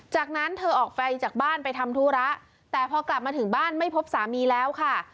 จากนั้นเธอออกไปจากบ้านไปทำธุระแต่พอกลับมาถึงบ้านไม่พบสามีแล้วค่ะ